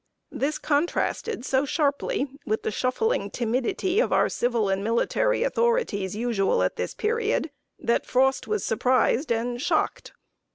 This contrasted so sharply with the shuffling timidity of our civil and military authorities, usual at this period, that Frost was surprised and "shocked."